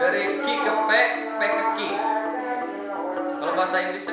dari ki ke p p ke ki